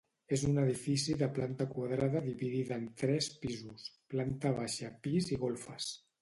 És un edifici de planta quadrada dividida en tres pisos: planta baixa, pis i golfes.